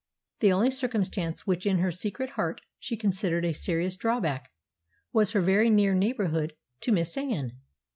The only circumstance which in her secret heart she considered a serious drawback was her very near neighbourhood to Miss Anne.